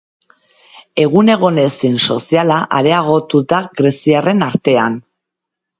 Egun egonezin soziala areagotu da greziarren artean.